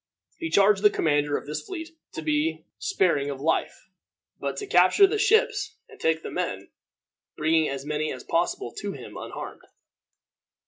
He charged the commander of this fleet to be sparing of life, but to capture the ships and take the men, bringing as many as possible to him unharmed.